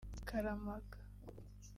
Karamaga